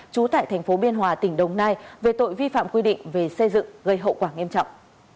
trú tại thành phố biên hòa tỉnh đồng nai về tội vi phạm quy định về xây dựng gây hậu quả nghiêm trọng